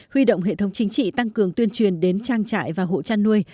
huy động hệ thống chính trị tăng cường tuyên truyền đến trang trại và hộ chăn nuôi